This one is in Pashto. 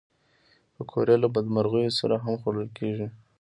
پکورې له بدمرغیو سره هم خوړل کېږي